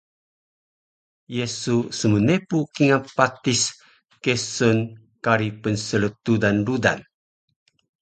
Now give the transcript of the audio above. Ye su smnepu kingal patis kesun “Kari pnsltudan rudan”?